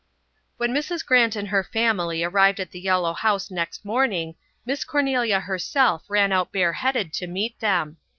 When Mrs. Grant and her family arrived at the yellow house next morning Miss Cornelia herself ran out bareheaded to meet them.